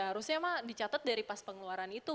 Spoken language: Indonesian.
harusnya mah dicatat dari pas pengeluaran itu